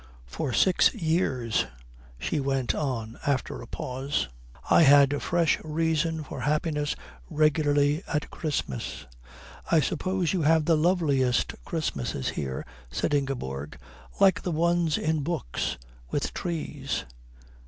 "For six years," she went on, after a pause, "I had fresh reason for happiness regularly at Christmas." "I suppose you have the loveliest Christmases here," said Ingeborg. "Like the ones in books. With trees."